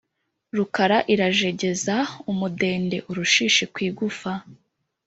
Rukara irajegeza umudende-Urushishi ku igufa.